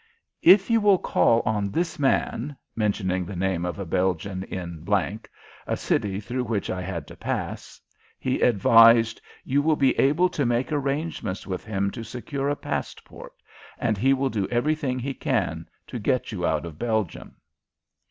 "If you will call on this man," mentioning the name of a Belgian in , a city through which I had to pass, he advised, "you will be able to make arrangements with him to secure a passport, and he will do everything he can to get you out of Belgium."